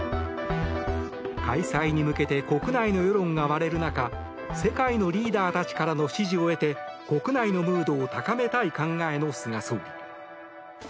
開催に向けて国内の世論が割れる中世界のリーダーたちからの支持を得て国内のムードを高めたい考えの菅総理。